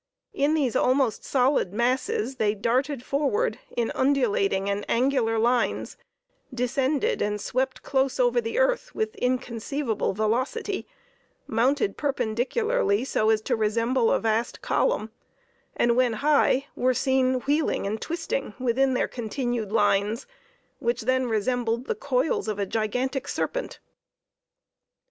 In these almost solid masses, they darted forward in undulating and angular lines, descended and swept close over the earth with inconceivable velocity, mounted perpendicularly so as to resemble a vast column, and, when high, were seen wheeling and twisting within their continued lines, which then resembled the coils of a gigantic serpent.